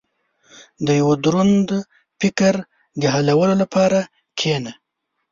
• د یو دروند فکر د حلولو لپاره کښېنه.